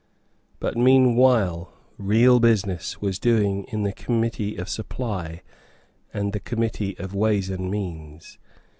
But meanwhile real business was doing in the Committee of Supply and the Committee of Ways and Means.